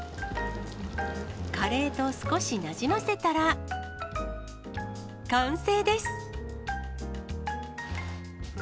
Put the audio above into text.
カレーと少しなじませたら、完成です。